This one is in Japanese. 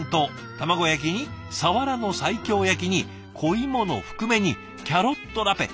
卵焼きにさわらの西京焼きに小芋の含め煮キャロットラペ。